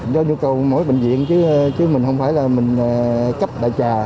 do nhu cầu mỗi bệnh viện chứ mình không phải là mình cấp đại trà